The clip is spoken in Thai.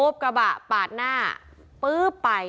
แซ็คเอ้ยเป็นยังไงไม่รอดแน่